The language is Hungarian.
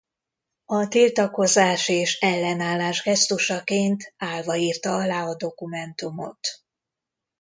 A tiltakozás és ellenállás gesztusaként állva írta alá a dokumentumot.